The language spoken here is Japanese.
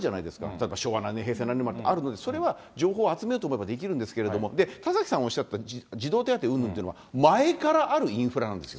例えば昭和何年生まれ、平成何年生まれ、あるので、それは情報を集めようと思えばできるんですけれども、田崎さんおっしゃった児童手当うんぬんというのは、前からあるインフラなんですよ。